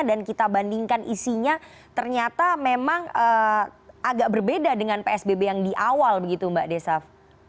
dan kita bandingkan isinya ternyata memang agak berbeda dengan psbb yang di awal begitu mbak desaf